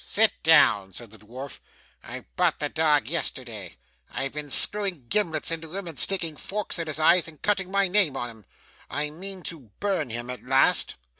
'Sit down,' said the dwarf. 'I bought the dog yesterday. I've been screwing gimlets into him, and sticking forks in his eyes, and cutting my name on him. I mean to burn him at last.